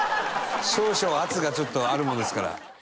少々圧がちょっとあるものですから。